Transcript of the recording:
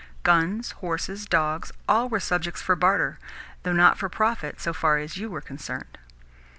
Guns, horses, dogs, all were subjects for barter though not for profit so far as YOU were concerned.